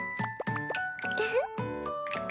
ウフッ。